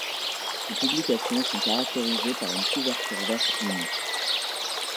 Ses publications sont caractérisées par une couverture verte unie.